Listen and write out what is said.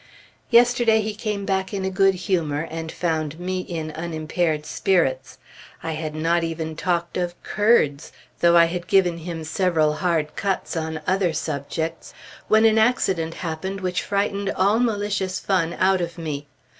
Yesterday he came back in a good humor, and found me in unimpaired spirits. I had not talked even of "curds," though I had given him several hard cuts on other subjects, when an accident happened which frightened all malicious fun out of me.